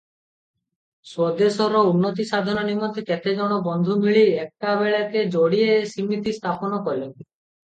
ସ୍ୱଦେଶର ଉନ୍ନତି ସାଧନ ନିମନ୍ତେ କେତେଜଣ ବନ୍ଧୁ ମିଳି ଏକାବେଳକେ ଯୋଡ଼ିଏ ସମିତି ସ୍ଥାପନ କଲେ ।